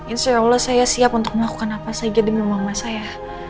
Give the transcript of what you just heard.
insya allah saya siap untuk melakukan apa saja demi mama saya